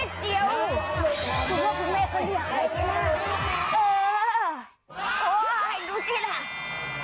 อีกนิดเดี๋ยวคุณพ่อคุณแม่ก็อยากให้กินห้าง